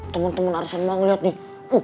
temen temen arisan mau ngeliat nih